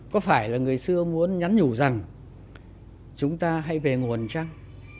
có phải là người xưa muốn nhắn nhủ rằng chúng ta hay về nguồn trăng